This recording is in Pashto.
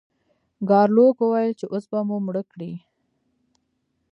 ګارلوک وویل چې اوس به مو مړه کړئ.